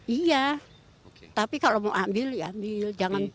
iya tapi kalau mau ambil ambil